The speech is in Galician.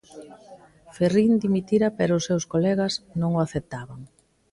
Ferrín dimitira pero os seus colegas non o aceptaban.